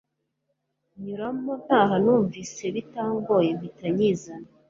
nyuramo ntaha numvise bitangoye mpita nyizana